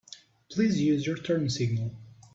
Please use your turn signal.